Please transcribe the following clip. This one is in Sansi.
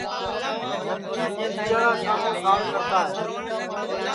اور نتھیس ٻیجیاڑا شاموں ساڑ کرتا ہے